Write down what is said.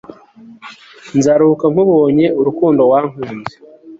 nzaruhuka nkubonye, urukundo wankunze